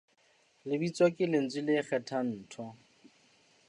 Lebitso ke lentswe le kgethang ntho.